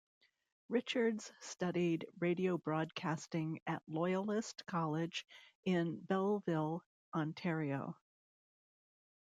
Richards studied radio broadcasting at Loyalist College in Belleville, Ontario.